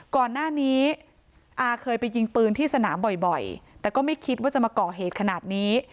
ก่อนหน้านี้อาเคยไปยิงปืนที่สนามบ่อยแต่ก็ไม่คิดว่าจะมาก่อเหตุขนาดนี้